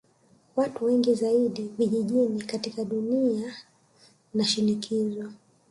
Watu wengi zaidi vijijini katika dunia na shinikizo